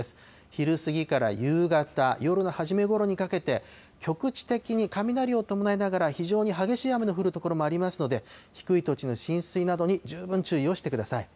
昼過ぎから夕方、夜の初めごろにかけて、局地的に雷を伴いながら、非常に激しい雨の降る所もありますので、低い土地の浸水などに十分注意をしてください。